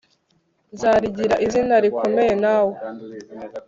Nzarigira izina rikomeye nawe